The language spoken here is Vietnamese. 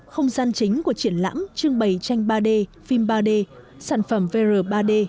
không gian chính của triển lãm trưng bày tranh ba d phim ba d sản phẩm vr ba d